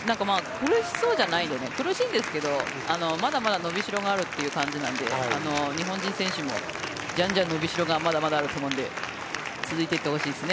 苦しそうだけどまだまだ伸びしろがあるって感じなんで日本人選手もじゃんじゃん伸びしろがまだまだあると思うんで続いていってほしいですね。